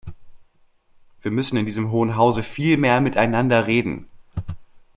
Wir müssen in diesem Hohen Hause viel mehr miteinander reden.